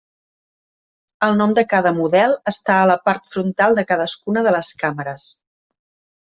El nom de cada model està a la part frontal de cadascuna de les càmeres.